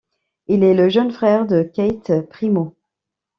Il est le jeune frère de Keith Primeau.